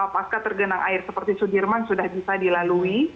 pasca tergenang air seperti sudirman sudah bisa dilalui